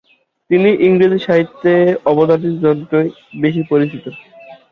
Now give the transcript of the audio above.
তিনি ইংরেজি সাহিত্যে অবদানের জন্যই বেশি পরিচিত।